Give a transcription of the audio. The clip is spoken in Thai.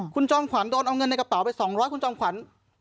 คุณจอมขวัญโดนเอาเงินในกระเป๋าไป๒๐๐คุณจอมขวัญ